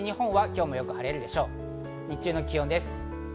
日中の気温です。